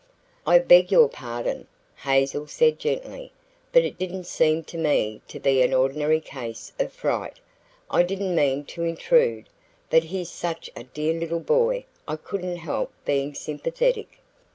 "I beg your pardon," Hazel said gently; "but it didn't seem to me to be an ordinary case of fright. I didn't mean to intrude, but he's such a dear little boy I couldn't help being sympathetic."